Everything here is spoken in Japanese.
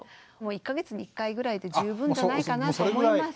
１か月に１回ぐらいで十分じゃないかなと思います。